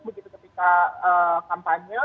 begitu ketika kampanye